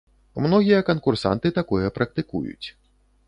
Многія канкурсанты такое практыкуюць.